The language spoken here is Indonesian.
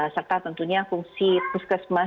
serta tentunya fungsi puskesmas